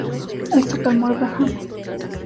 Esto calmó al brahman.